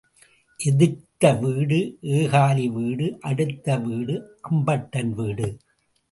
எதிர்த்த வீடு ஏகாலி வீடு அடுத்த வீடு அம்பட்டன் வீடு.